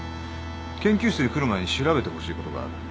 研究室へ来る前に調べてほしいことがある。